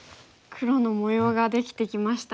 黒の模様ができてきましたね。